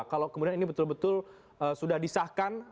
kalau kemudian ini betul betul sudah disahkan